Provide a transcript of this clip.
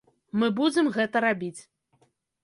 Мы будзем гэта рабіць.